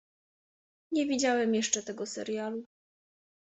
Nie widziałem jeszcze tego serialu.